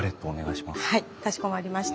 はいかしこまりました。